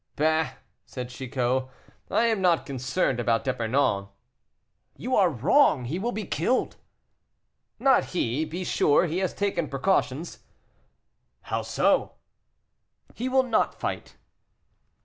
"Bah!" said Chicot, "I am not concerned about D'Epernon." "You are wrong; he will be killed." "Not he; be sure he has taken precautions." "How so?" "He will not fight."